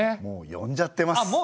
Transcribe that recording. もう呼んじゃってます。